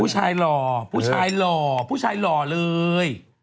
หล่อผู้ชายหล่อผู้ชายหล่อเลย